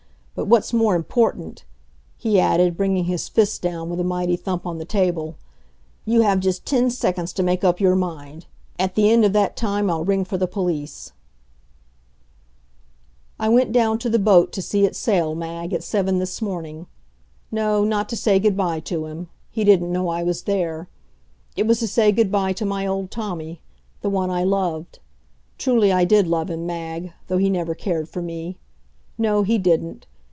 But what's more important," he added, bringing his fist down with a mighty thump on the table, "you have just ten seconds to make up your mind. At the end of that time I'll ring for the police." I went down to the boat to see it sail, Mag, at seven this morning. No, not to say good by to him. He didn't know I was there. It was to say good by to my old Tommy; the one I loved. Truly I did love him, Mag, though he never cared for me. No, he didn't.